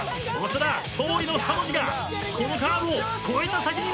長田勝利の２文字がこのカーブを越えた先に見えてくる！